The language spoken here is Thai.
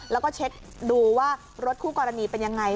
แล้วก็เช็คดูว่ารถคู่กรณีเป็นยังไง